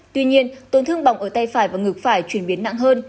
tuy nhiên tổn thương bỏng ở tay phải và ngực phải chuyển biến nặng hơn